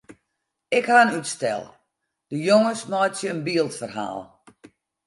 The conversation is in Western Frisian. Ik ha in útstel: de jonges meitsje in byldferhaal.